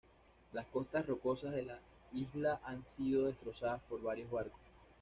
Las costas rocosas de las islas han sido desastrosas para varios barcos.